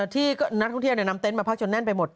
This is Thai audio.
ที่นักท่องเที่ยวนำเต็นต์มาพักจนแน่นไปหมด